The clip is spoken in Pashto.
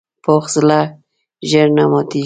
پوخ زړه ژر نه ماتیږي